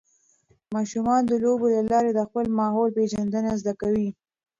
ماشومان د لوبو له لارې د خپل ماحول پېژندنه زده کوي.